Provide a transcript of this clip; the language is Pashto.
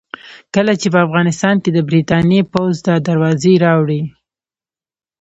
کله چې په افغانستان کې د برتانیې پوځ دا دروازې راوړې.